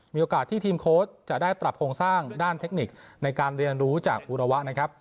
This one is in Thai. มีโอกาสที่ทีมโค้ชจะได้ปรับโครงสร้างด้านเทคนิคในการเรียนรู้จากอุระวะนะครับ